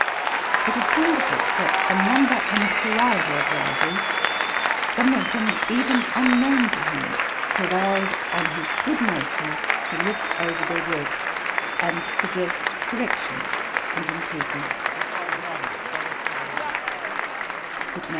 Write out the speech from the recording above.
It is wonderful what a number and variety of writers, some of them even unknown to him, prevailed on his good nature to look over their works, and suggest corrections and improvements.